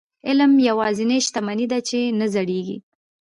علم یوازینۍ شتمني ده چې نه زړيږي.